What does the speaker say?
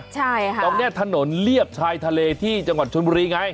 ใช่ค่ะตรงนี้ถนนเลียบชายทะเลที่จังหวัดชนบุรีไง